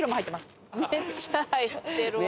めっちゃ入ってるわ。